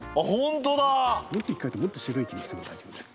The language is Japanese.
もっとひっかいてもっと白い木にしても大丈夫です。